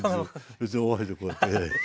別にお箸でこうやって。